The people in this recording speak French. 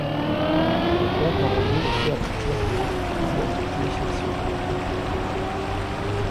Le compte à rebours est fait à partir de puis indiqué chaque seconde.